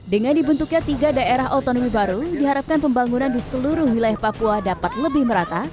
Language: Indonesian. dengan dibentuknya tiga daerah otonomi baru diharapkan pembangunan di seluruh wilayah papua dapat lebih merata